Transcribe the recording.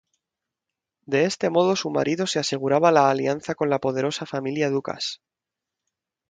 De este modo, su marido se aseguraba la alianza con la poderosa familia Ducas.